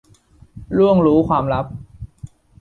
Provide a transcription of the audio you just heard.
ล่วงรู้ความลับ